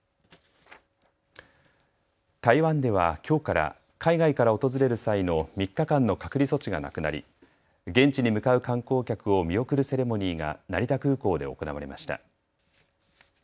台湾ではきょうから海外から訪れる際の３日間の隔離措置がなくなり、現地に向かう観光客を見送るセレモニーが成田空港で行われました。